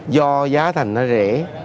do giá thành nó rẻ